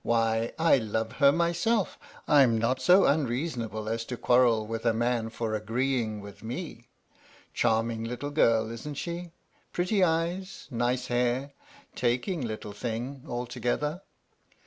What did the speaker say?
Why I love her myself! I'm not so unreasonable as to quarrel with a man for agreeing with me. Charming little girl, isn't she ? Pretty eyes nice hair taking little thing, altogether.